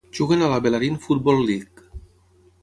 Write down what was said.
Juguen a la Bellarine Football League.